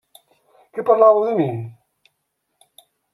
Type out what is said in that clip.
Que parlàveu de mi?